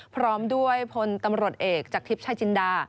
พร้อมด้วยพลตำรวจเอกจากทิพย์ชายจินดา